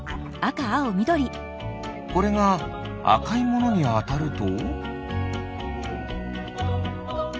これがあかいものにあたると。